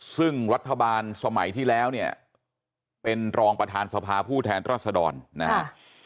ซึ่งรัฐบาลสมัยที่แล้วเนี่ยเป็นรองประธานสภาผู้แทนรัศดรนะครับ